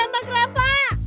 jangan tambah krepa